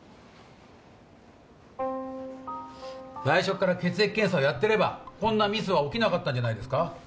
最初っから血液検査をやってればこんなミスは起きなかったんじゃないですか？